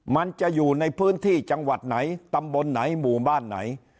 มันจะอยู่ในพื้นที่จังหวัดไหนตำบลไหนหมู่บ้านไหน